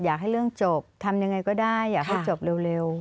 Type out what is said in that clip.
อยากให้เรื่องจบทำยังไงก็ได้อยากให้จบเร็ว